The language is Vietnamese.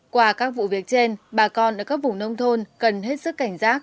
qua các vụ việc trên bà con ở các vùng nông thôn cần hết sức cảnh giác